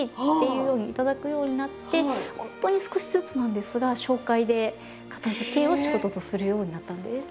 いうように頂くようになって本当に少しずつなんですが紹介で片づけを仕事とするようになったんです。